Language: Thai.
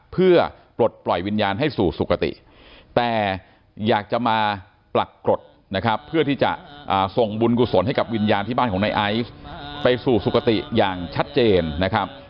เพื่อปลดปล่อยวิญญาณให้สู่สุขติแต่อยากจะมาปรากฏนะครับเพื่อที่จะส่งบุญกุศลให้กับวิญญาณที่บ้านของนายไอซ์ไปสู่สุขติอย่างชัดเจนนะครับ